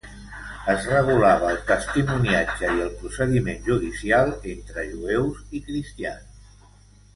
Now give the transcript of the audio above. Es regulava el testimoniatge i el procediment judicial entre jueus i cristians.